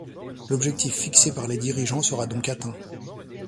L'objectif fixé par les dirigeants sera donc atteint.